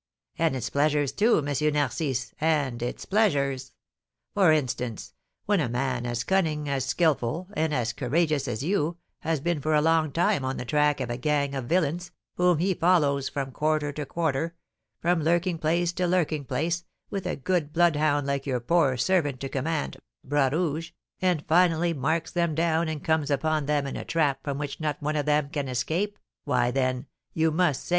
"And its pleasures, too, M. Narcisse, and its pleasures. For instance, when a man as cunning, as skilful, and as courageous as you, has been for a long time on the track of a gang of villains, whom he follows from quarter to quarter, from lurking place to lurking place, with a good bloodhound like your poor servant to command, Bras Rouge, and, finally, marks them down and comes upon them in a trap from which not one of them can escape, why, then, you must say, M.